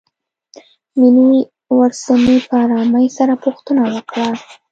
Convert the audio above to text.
مينې ورڅنې په آرامۍ سره پوښتنه وکړه.